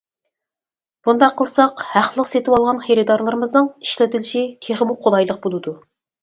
بۇنداق قىلساق ھەقلىق سېتىۋالغان خېرىدارلىرىمىزنىڭ ئىشلىتىشى تېخىمۇ قولايلىق بولىدۇ.